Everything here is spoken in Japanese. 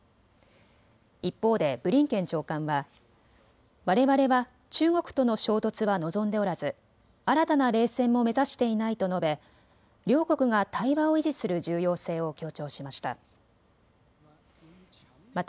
一方でブリンケン長官はわれわれは中国との衝突は望んでおらず新たな冷戦も目指していないと述べ両国が対話を維持する重要性を強調しました。